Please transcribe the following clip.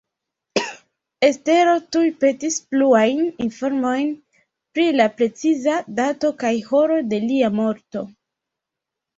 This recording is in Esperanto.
Estero tuj petis pluajn informojn pri la preciza dato kaj horo de lia morto.